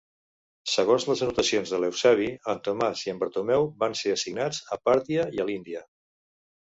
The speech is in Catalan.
Segons les anotacions de l'Eusebi, en Tomàs i en Bartomeu van ser assignats a Pàrtia i a l'Índia.